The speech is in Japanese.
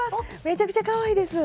めちゃくちゃかわいいです！